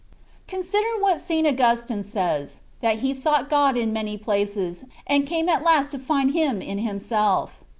Consider what St. Augustine says, that he sought God in many places, and came at last to find Him in himself.